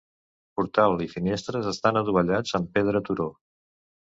Portal i finestres estan adovellats amb pedra turó.